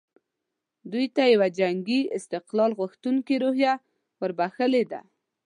دوی ته یوه جنګي استقلال غوښتونکې روحیه وربخښلې ده.